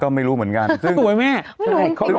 ก็ไม่รู้เหมือนกันถูกไหมเม่